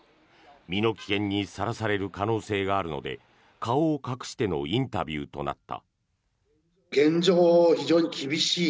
身の危険にさらされる可能性があるので顔を隠してのインタビューとなった。